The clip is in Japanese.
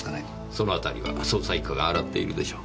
そのあたりは捜査一課が洗っているでしょう。